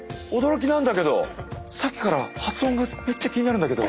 さっきから発音がめっちゃ気になるんだけど！